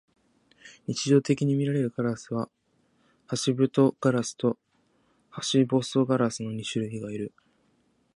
日常的にみられるカラスはハシブトガラスとハシボソガラスの二種類がいる。ハシブトガラスの鳴き声は濁っており、ハシボソガラスの鳴き声は澄んでいるため、見分けることができる。